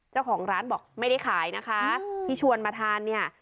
เจ้าของร้านบอกไม่ได้ขายนะคะที่ชวนมาทานเนี่ย